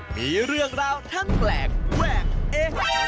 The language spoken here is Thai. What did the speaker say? มีเรื่องราวทั้งแปลกแวกเอ๊